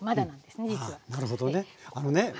なるほどね。